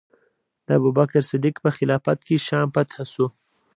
د ابوبکر صدیق په خلافت کې شام فتح شو.